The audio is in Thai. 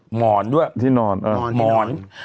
หมอนด้วยที่นอน